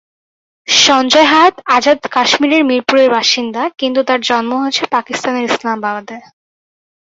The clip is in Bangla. শঞ্জয় হায়াৎ আজাদ কাশ্মীরের মিরপুরের বাসিন্দা, কিন্তু তার জন্ম হয়েছে পাকিস্তানের ইসলামাবাদে।